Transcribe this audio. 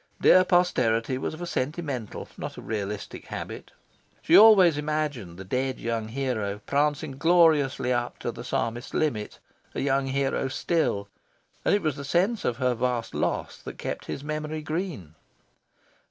Dear posterity was of a sentimental, not a realistic, habit. She always imagined the dead young hero prancing gloriously up to the Psalmist's limit a young hero still; and it was the sense of her vast loss that kept his memory green.